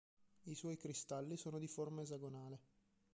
I suoi cristalli sono di forma esagonale.